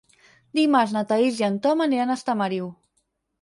Dimarts na Thaís i en Tom aniran a Estamariu.